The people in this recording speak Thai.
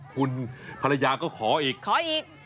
คุณภรรยาก็ขออีกขออีก